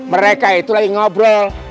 mereka itu lagi ngobrol